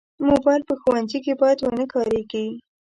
موبایل په ښوونځي کې باید ونه کارېږي.